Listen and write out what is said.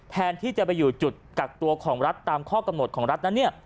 แทนที่จะไปอยู่จุดกักตัวของรัฐตามข้อกำหนดของรัฐนั้นเนี่ย